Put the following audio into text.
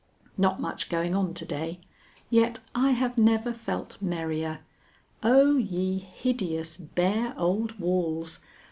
Not much going on to day. Yet I have never felt merrier. Oh, ye hideous, bare old walls!